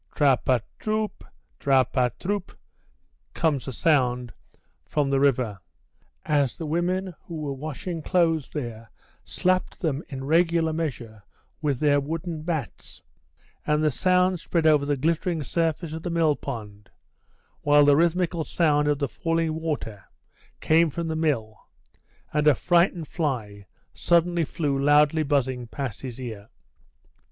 "Tra pa trop, tra pa trop," comes a sound from the river, as the women who were washing clothes there slapped them in regular measure with their wooden bats, and the sound spread over the glittering surface of the mill pond while the rhythmical sound of the falling water came from the mill, and a frightened fly suddenly flew loudly buzzing past his ear.